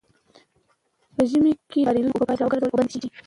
په ژمي کې د کاریزو اوبه باید راوګرځول او بندې شي.